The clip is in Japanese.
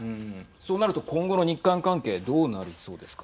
そうなると今後の日韓関係どうなりそうですか。